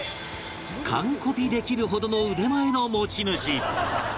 完コピできるほどの腕前の持ち主